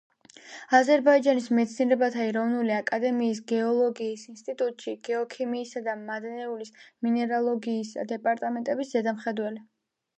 აზერბაიჯანის მეცნიერებათა ეროვნული აკადემიის გეოლოგიის ინსტიტუტში გეოქიმიისა და მადნეულის მინერალოგიის დეპარტამენტების ზედამხედველი.